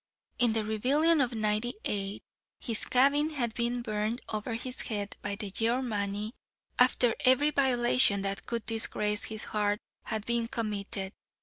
In the rebellion of '98 his cabin had been burned over his head by the yeomanry, after every violation that could disgrace his hearth had been committed.